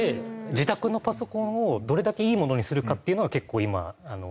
自宅のパソコンをどれだけいいものにするかっていうのが結構今。